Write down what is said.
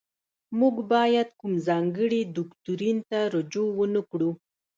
موږ باید کوم ځانګړي دوکتورین ته رجوع ونکړو.